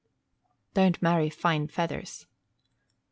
_Don't marry fine feathers.